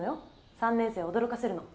３年生を驚かせるの。